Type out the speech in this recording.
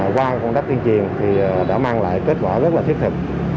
qua công tác tuyên truyền thì đã mang lại kết quả rất là thiết thực